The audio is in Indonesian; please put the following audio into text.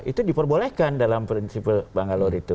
itu diperbolehkan dalam prinsip bangalore itu